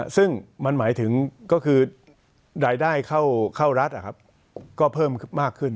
ซึ่งมันหมายถึงก็คือรายได้เข้ารัฐก็เพิ่มมากขึ้น